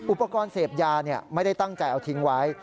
อุปกรณ์เสพยาไม่ได้ตั้งใจเอาทิ้งไว้